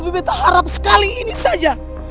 tapi betta harap sekali ini saja